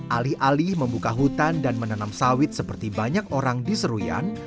alih alih membuka hutan dan menanam sawit seperti banyak orang di seruyan